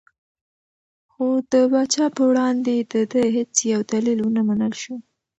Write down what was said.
خو د پاچا په وړاندې د ده هېڅ یو دلیل ونه منل شو.